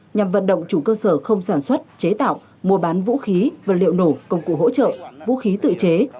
nhằm vận động chủ cơ sở không sản xuất chế tạo mua bán vũ khí vật liệu nổ công cụ hỗ trợ vũ khí tự chế